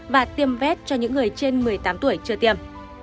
và tiêm vét cho những người trên một mươi tám tuổi chưa tiêm